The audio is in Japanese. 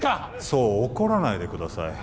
そう怒らないでください